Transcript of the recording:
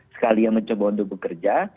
sekalian mencoba untuk bekerja